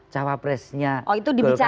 capresnya golkar itu siapa